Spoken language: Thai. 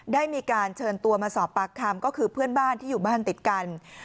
ได้มีการเชิญตัวมาสอบปากคำก็คือเพื่อนบ้านที่อยู่บ้านติดกัน